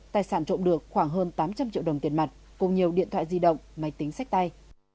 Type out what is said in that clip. tài sản trộm được khoảng hơn tám trăm linh triệu đồng tiền mặt cùng nhiều điện thoại di động máy tính sách tay